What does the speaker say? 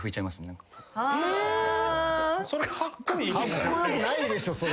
カッコ良くないでしょそれ。